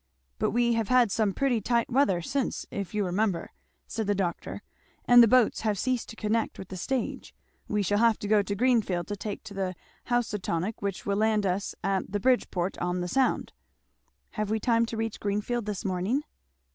"But we have had some pretty tight weather since, if you remember," said the doctor; "and the boats have ceased to connect with the stage. We shall have to go to Greenfield to take the Housatonic which will land us at Bridgeport on the Sound" "Have we time to reach Greenfield this morning?"